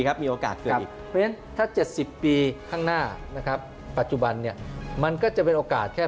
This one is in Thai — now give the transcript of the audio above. ในอนาคตเหมือนนะครับในอนาคต